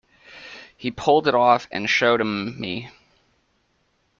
He pulled it off and showed 'em me.